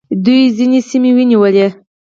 دوی ځینې سیمې ونیولې